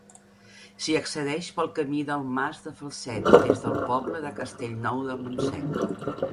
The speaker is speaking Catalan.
S'hi accedeix pel Camí del Mas de Falset, des del poble de Castellnou de Montsec.